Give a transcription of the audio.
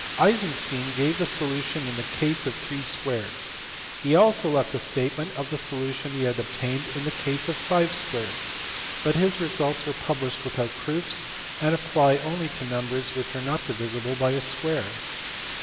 Eisenstein gave the solu tion in the case of three squares. He also left a statement of the solution he had obtained in the case of five squares*; but his results were published without proofs, and apply only to numbers which are not divisible by a square.